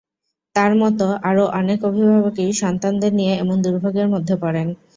তাঁর মতো, আরও অনেক অভিভাবকই সন্তানদের নিয়ে এমন দুর্ভোগের মধ্যে পড়েন।